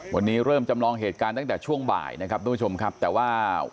วันนี้เริ่มจำลองเหตุการณ์ตั้งแต่ช่วงบ่ายนะครับทุกผู้ชมครับแต่ว่า